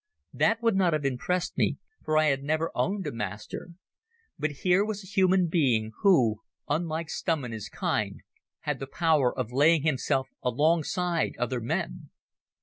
That would not have impressed me, for I had never owned a master. But here was a human being who, unlike Stumm and his kind, had the power of laying himself alongside other men.